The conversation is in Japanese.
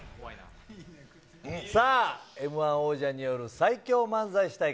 さあ、Ｍー１王者による最強漫才師対決。